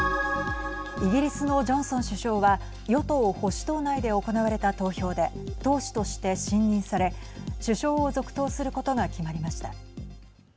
イギリスのジョンソン首相は与党・保守党内で行われた投票で党首として信任され首相を続投することが決まりました。